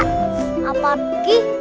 sss apa buki